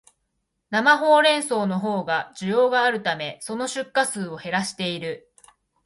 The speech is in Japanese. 生ホウレンソウのほうが需要があるため、その出荷数を減らしている